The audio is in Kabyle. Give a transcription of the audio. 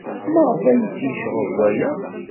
Maɣef akk ay tt-yecɣeb waya?